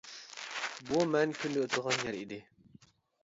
بۇ مەن كۈندە ئۆتىدىغان يەر ئىدى.